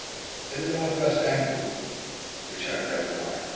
"In the north west angle?" returned Everard.